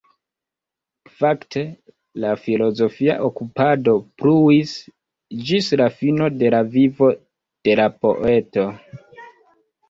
Fakte la filozofia okupado pluis ĝis la fino de la vivo de la poeto.